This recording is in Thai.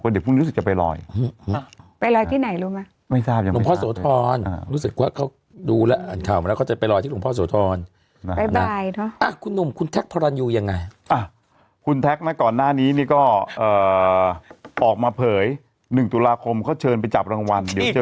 ก็คิดว่าจะไปรอยไปรอยที่ไหนรู้มั้ยหลวงพ่อโสธรณ์รู้สึกว่าเขาดึงนะ